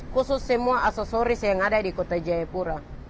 khusus semua aksesoris yang ada di kota jayapura